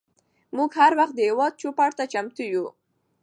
موږ هر وخت د هیواد چوپړ ته چمتو یوو.